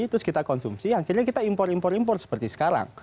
terus kita konsumsi akhirnya kita impor impor impor seperti sekarang